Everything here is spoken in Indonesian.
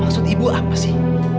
maksud ibu apa sih